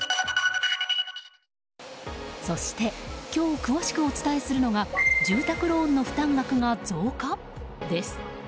そして今日詳しくお伝えするのが住宅ローンの負担額が増加？です。